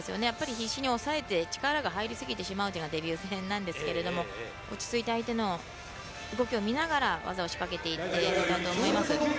必死に押さえて力が入りすぎてしまうのがデビュー戦ですけど落ち着いて相手の動きを見ながら技を仕掛けていたと思います。